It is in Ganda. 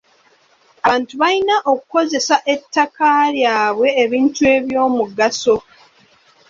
Abantu balina okukozesa ettaka lyabwe ebintu eby'omugaso.